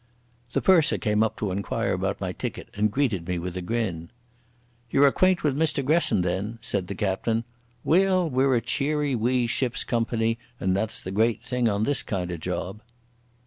The purser came up to inquire about my ticket, and greeted me with a grin. "Ye're acquaint with Mr Gresson, then?" said the captain. "Weel, we're a cheery wee ship's company, and that's the great thing on this kind o' job."